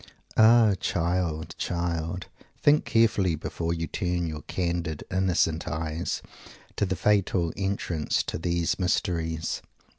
Ah, child, child! Think carefully before you turn your candid innocent eyes to the fatal entrance to these mysteries!